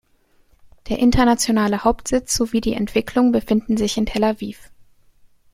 Der internationale Hauptsitz sowie die Entwicklung befinden sich in Tel Aviv.